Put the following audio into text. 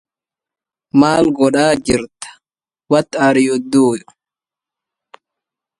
وكانوا على الإسلام إلبا ثلاثة